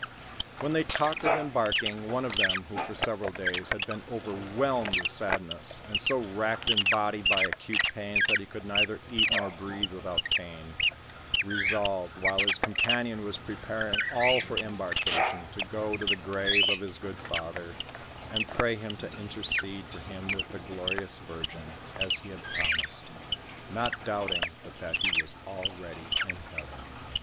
When they talked of embarking, one of them, who for several days had been overwhelmed with sadness, and so racked in body by acute pains that he could neither eat nor breathe without pain, resolved, while his companion was pre paring all for embarkation, to go to the grave of his good father, and pray him to intercede for him with the glorious Virgin, as he had promised, not doubting but that he was already in heaven.